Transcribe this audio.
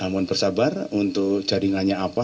mohon bersabar untuk jaringannya apa